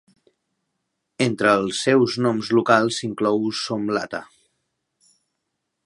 Entre els seus noms locals, s'inclou "somlatha".